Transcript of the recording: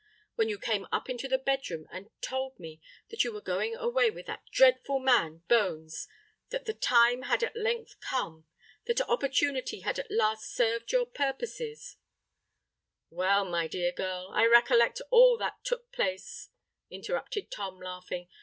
When you came up into the bed room and told me that you were going away with that dreadful man Bones—that the time had at length come—that opportunity had at last served your purposes——" "Well, my dear girl—I recollect all that took place," interrupted Tom, laughing.